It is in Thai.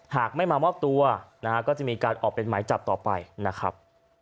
หากไม่มามอบตัวนะฮะก็จะมีการออกเป็นหมายจับต่อไปนะครับ